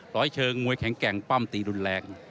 ร้อยเชิงมวยแข็งแกร่งปั้มตีรุนแรง